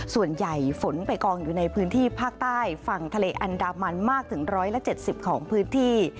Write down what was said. ฝนไปกองอยู่ในพื้นที่ภาคใต้ฝั่งทะเลอันดามันมากถึง๑๗๐ของพื้นที่